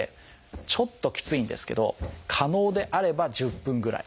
ちょっときついんですけど可能であれば１０分ぐらい。